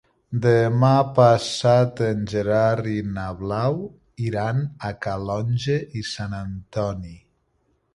Demà passat en Gerard i na Blau iran a Calonge i Sant Antoni.